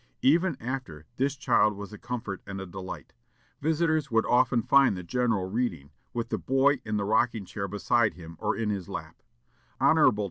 Ever after, this child was a comfort and a delight. Visitors would often find the general reading, with the boy in the rocking chair beside him or in his lap. Hon.